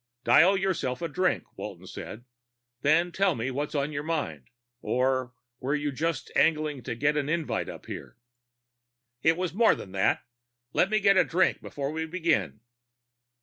"Dial yourself a drink," Walton said. "Then tell me what's on your mind or were you just angling to get an invite up here?" "It was more than that. But let me get a drink before we begin."